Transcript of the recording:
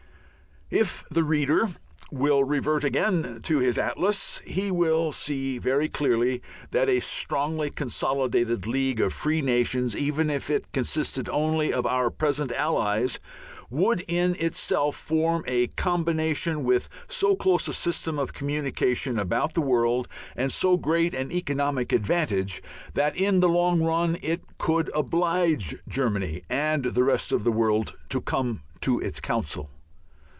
If the reader will revert again to his atlas he will see very clearly that a strongly consolidated League of Free Nations, even if it consisted only of our present allies, would in itself form a combination with so close a system of communication about the world, and so great an economic advantage, that in the long run it could oblige Germany and the rest of the world to come in to its council.